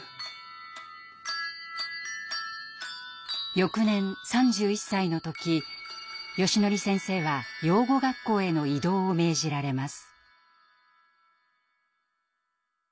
翌年３１歳の時よしのり先生は養護学校への異動を命じられます。